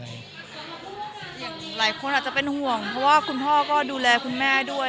หลายคนอาจจะเป็นห่วงเพราะว่าคุณพ่อก็ดูแลคุณแม่ด้วย